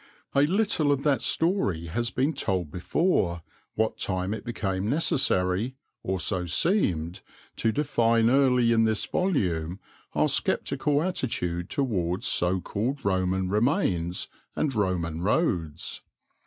A little of that story has been told before what time it became necessary, or so seemed, to define early in this volume our sceptical attitude towards so called Roman remains and Roman roads.